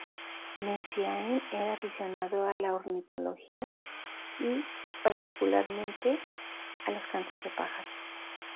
Messiaen era aficionado a la ornitología y, particularmente, a los cantos de pájaros.